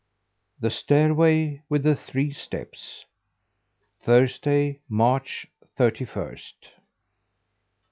THE STAIRWAY WITH THE THREE STEPS Thursday, March thirty first.